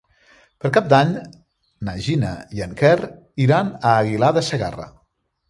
Per Cap d'Any na Gina i en Quer iran a Aguilar de Segarra.